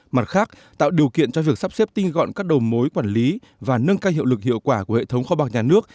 mặt khác tạo điều kiện cho việc sắp xếp tinh gọn các đầu mối quản lý và nâng cao hiệu lực hiệu quả của hệ thống kho bạc nhà nước